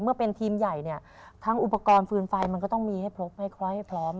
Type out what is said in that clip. เป็นทีมใหญ่เนี่ยทั้งอุปกรณ์ฟืนไฟมันก็ต้องมีให้ครบให้คล้อยให้พร้อม